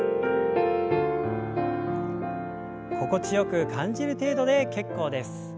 心地よく感じる程度で結構です。